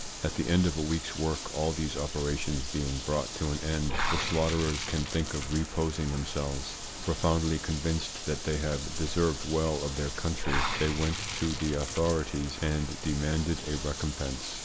At the end of a week's work, all these operations being brought to an end, the slaughterers can think of reposing themselves. Profoundly convinced that they have deserved well of their country, they went to the authorities and demanded a recompense.